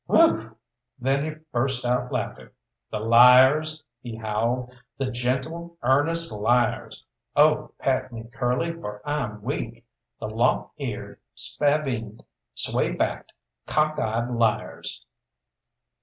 "Wheugh" then he burst out laughing "the liars," he howled, "the gentle, earnest liars! Oh, pat me, Curly, for I'm weak the lop eared, spavined, sway backed, cock eyed liars!"